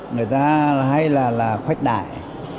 người ta hay là khoách đại